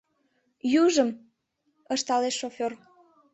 — Южым, — ышталеш шофёр.